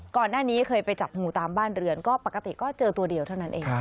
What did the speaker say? ก่อนหน้านี้เคยไปจับงูตามบ้านเรือนก็ปกติก็เจอตัวเดียวเท่านั้นเอง